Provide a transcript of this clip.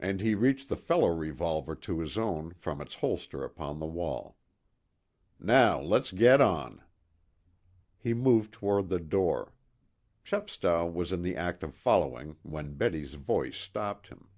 And he reached the fellow revolver to his own from its holster upon the wall. "Now let's get on." He moved toward the door. Chepstow was in the act of following when Betty's voice stopped him.